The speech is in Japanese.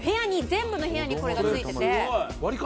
全部の部屋にこれが付いてて。